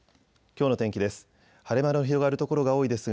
きょうの天気です。